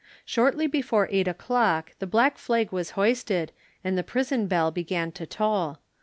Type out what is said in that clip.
Shortly before eight o'clock, the black flag was hoisted, and the prison bell began to toll.